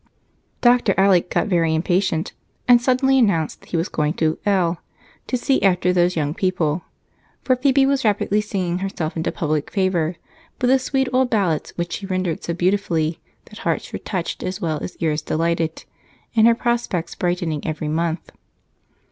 Dr. Alec got very impatient and suddenly announced that he was going to L to see after those young people, for Phebe was rapidly singing herself into public favor with the sweet old ballads which she rendered so beautifully that hearers were touched as well as ears delighted, and her prospects brightened every month.